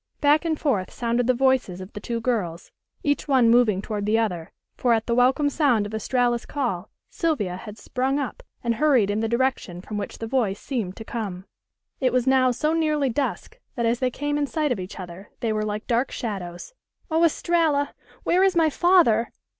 Back and forth sounded the voices of the two girls, each one moving toward the other, for at the welcome sound of Estralla's call Sylvia had sprung up and hurried in the direction from which the voice seemed to come. It was now so nearly dusk that as they came in sight of each other they were like dark shadows. "Oh, Estralla! Where is my father?"